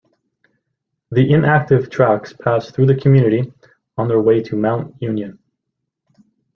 The inactive tracks pass through the community on their way to Mount Union.